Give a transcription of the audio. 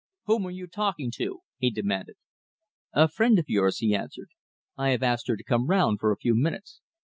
"Whom were you talking to?" he demanded. "A friend of yours," he answered. "I have asked her to come round for a few minutes."